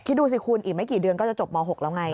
คิดดูสิคุณอีกไม่กี่เดือนก็จะจบม๖แล้วไง